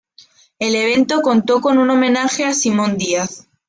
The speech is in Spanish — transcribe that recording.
El evento contó con un homenaje a Simón Díaz.